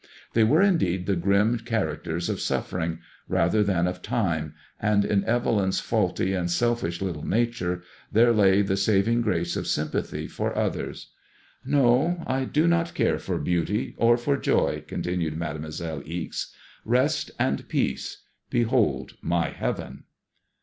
They were indeed the grim cha racters of suffering rather than of time, and in Evelyn's faulty and I MADEMOISBLLB IXK. 31 selfish little nature there lay the saving grace of sympathy for others. " No, I do not care for beauty or for joy," continued Mademoi selle Ixe. *' Rest and peace. Behold my heaven."